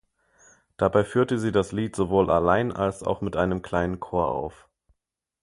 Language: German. Dabei führte sie das Lied sowohl allein als auch mit einem kleinen Chor auf.